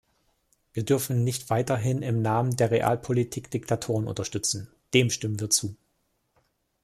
Wir dürfen nicht weiterhin im Namen der Realpolitik Diktatoren unterstützen, dem stimmen wir zu.